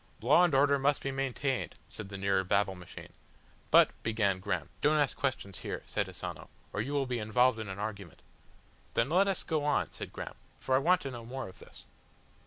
"Law and order must be maintained," said the nearer Babble Machine. "But," began Graham. "Don't ask questions here," said Asano, "or you will be involved in an argument." "Then let us go on," said Graham, "for I want to know more of this."